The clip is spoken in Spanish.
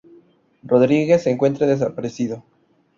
Rodríguez se encuentra desaparecido.